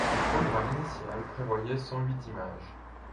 Le programme initial prévoyait cent huit images.